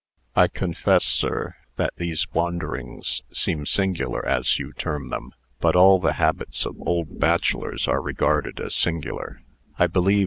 "I confess, sir, that these wanderings seem 'singular,' as you term them. But all the habits of old bachelors are regarded as singular, I believe.